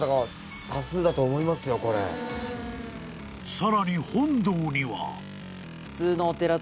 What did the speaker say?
［さらに本堂には］